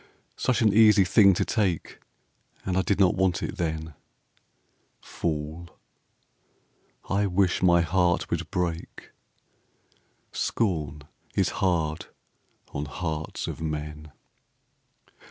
Such an easy thing to take, And I did not want it then; Fool! I wish my heart would break, Scorn is hard on hearts of men.